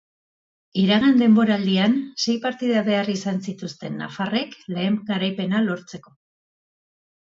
Iragan denboraldian, sei partida behar izan zituzten nafarrek lehe garaipena lortzeko.